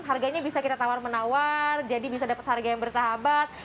harganya bisa kita tawar menawar jadi bisa dapat harga yang bersahabat